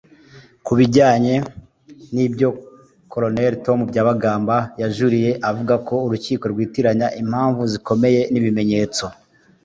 Ku bijyanye n’ibyo Col Tom Byabagamba yajuriye avuga ko urukiko rwitiranyije impamvu zikomeye n’ibimenyetso